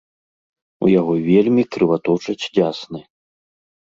У яго вельмі крываточаць дзясны.